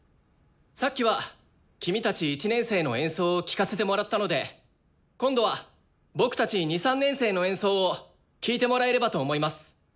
さっきは君たち１年生の演奏を聴かせてもらったので今度は僕たち２３年生の演奏を聴いてもらえればと思います。